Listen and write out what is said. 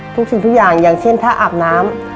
สิ่งทุกอย่างอย่างเช่นถ้าอาบน้ำ